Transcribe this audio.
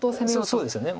そうですね。